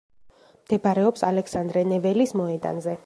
მდებარეობს ალექსანდრე ნეველის მოედანზე.